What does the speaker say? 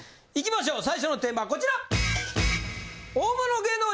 いきましょう最初のテーマはこちら！